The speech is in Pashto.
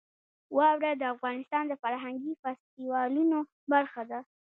واوره د افغانستان د فرهنګي فستیوالونو برخه ده.